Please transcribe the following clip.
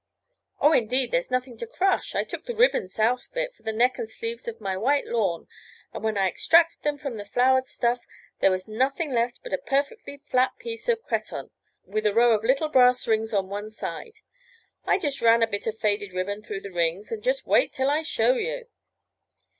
"Oh, indeed there's nothing to crush. I took the ribbons out of it for the neck and sleeves of my white lawn, and when I extracted them from the flowered stuff there was nothing left but a perfectly flat piece of cretonne, with a row of little brass rings on one side. I just ran a bit of faded ribbon through the rings—and just wait until I show you."